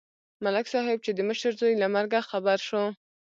ملک صاحب چې د مشر زوی له مرګه خبر شو.